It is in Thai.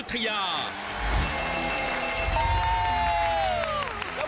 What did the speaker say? ได้เลย